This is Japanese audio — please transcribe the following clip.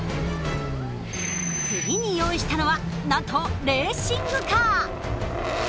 次に用意したのはなんとレーシングカー。